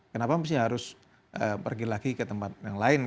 kenapa mesti harus pergi lagi ke tempat yang lain